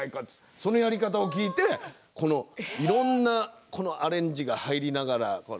そのやり方を聞いていろいろなアレンジが入りながら。